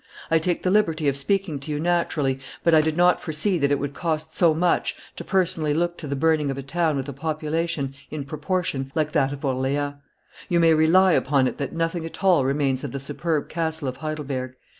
I take the liberty of speaking to you naturally, but I did not foresee that it would cost so much to personally look to the burning of a town with a population, in proportion, like that of Orleans. You may rely upon it that nothing at all remains of the superb castle of Heidelberg.